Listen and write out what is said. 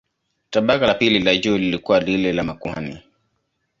Tabaka la pili la juu lilikuwa lile la makuhani.